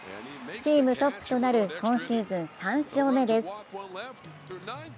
チームトップとなる今シーズン３勝目です。